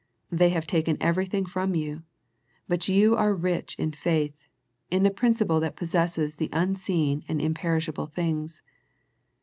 They have taken everything from you, but you are rich in faith, in the principle that possesses the unseen and imperishable things.